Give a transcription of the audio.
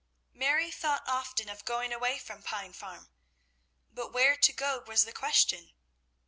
Mary thought often of going away from Pine Farm, but where to go was the question.